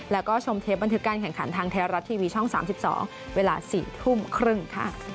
แล้วก็ชมเทปบันทึกการแข่งขันทางไทยรัฐทีวีช่อง๓๒เวลา๔ทุ่มครึ่งค่ะ